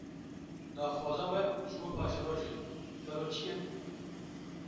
Daxwaza we, ji bo paşerojê gelo çi ye?